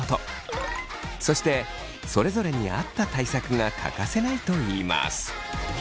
そしてそれぞれに合った対策が欠かせないといいます。